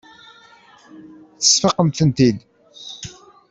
Tesfaqem-tent-id.